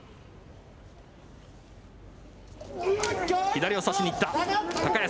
左を差しにいった、高安。